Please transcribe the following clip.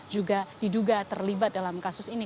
juga diduga terlibat dalam kasus ini